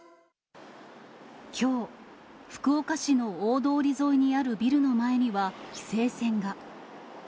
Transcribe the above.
きょう、福岡市の大通り沿いにあるビルの前には規制線が。